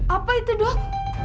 apa itu dok